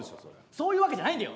そういうわけじゃないんだよ。